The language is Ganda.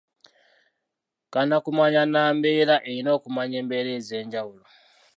Kannakumanya nnambeera erina okumanya embeera ez'enjawulo.